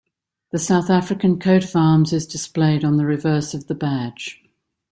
The South African coat of arms is displayed on the reverse of the badge.